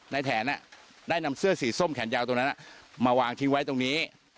แถนได้นำเสื้อสีส้มแขนยาวตรงนั้นมาวางทิ้งไว้ตรงนี้